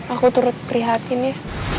aku turut prihatin ya